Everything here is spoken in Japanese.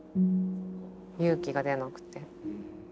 勇気が出なくて。